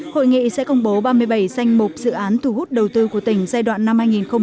hội nghị sẽ công bố ba mươi bảy danh mục dự án thu hút đầu tư của tỉnh giai đoạn năm hai nghìn hai mươi một hai nghìn hai mươi năm